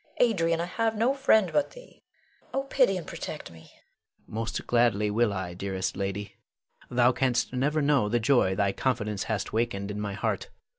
Adrian, I have no friend but thee. Oh, pity and protect me! Adrian. Most gladly will I, dearest lady. Thou canst never know the joy thy confidence hath wakened in my heart.